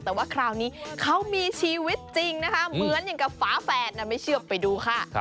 แต่ว่าคราวนี้เขามีชีวิตจริงนะคะเหมือนอย่างกับฝาแฝดไม่เชื่อไปดูค่ะ